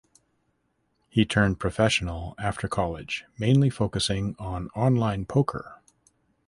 He turned professional after college mainly focusing on online poker.